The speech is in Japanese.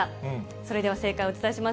それでは正解をお伝えします。